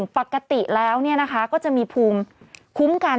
ปกติแล้วเนี่ยนะคะก็จะมีภูมิคุ้มกัน